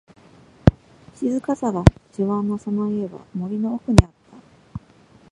静かさが自慢のその家は、森の奥にあった。